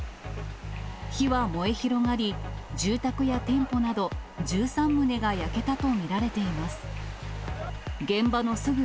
火は燃え広がり、住宅や店舗など１３棟が焼けたと見られています。